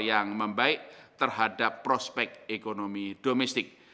yang membaik terhadap prospek ekonomi domestik